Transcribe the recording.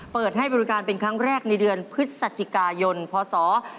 เปิดให้บริการเป็นครั้งแรกในเดือนพฤศจิกายนพศ๒๕๖